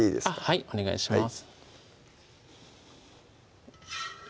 はいお願いします